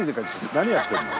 何やってんの？